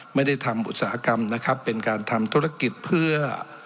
ไม่ได้ทำอุตสาหกรรมนะครับเป็นการทำธุรกิจเพื่อ